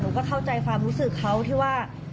ก็เข้าใจความรู้สึกเขาที่ว่า